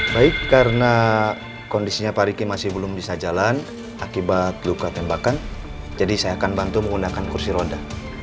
baik karena kondisinya pak riki masih belum bisa jalan akibat luka tembakan jadi saya akan bantu menggunakan kursi roda